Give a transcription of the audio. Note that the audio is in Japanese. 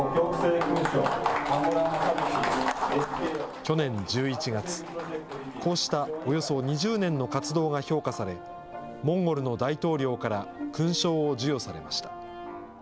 去年１１月、こうしたおよそ２０年の活動が評価され、モンゴルの大統領から勲章を授与されました。